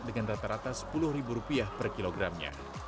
dengan rata rata sepuluh ribu rupiah per kilogramnya